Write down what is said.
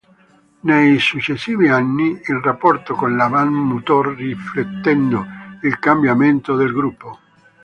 Nei successivi anni, il rapporto con la band mutò riflettendo il cambiamento del gruppo.